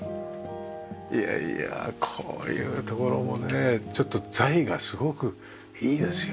いやいやこういうところもねちょっと材がすごくいいですよね。